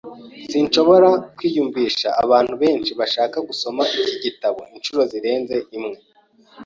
Sinshobora kwiyumvisha abantu benshi bashaka gusoma iki gitabo inshuro zirenze imwe.